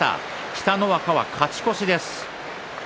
北の若が勝ち越しです。